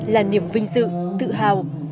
là niềm vinh dự tự hào